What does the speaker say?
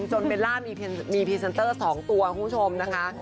เบลล่ามีพรีเซนเตอร์๒ตัวคุณผู้ชมนะคะ